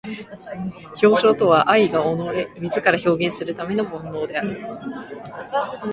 表象とは愛が己れ自ら表現するための煩悶である。